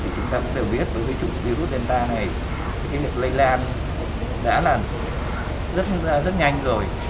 chúng ta cũng đều biết với virus delta này cái nghiệp lây lan đã là rất nhanh rồi